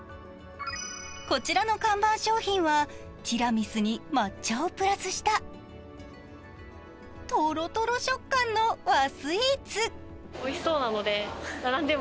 こちらの看板商品はティラミスに抹茶をプラスしたとろとろ食感の和スイーツ。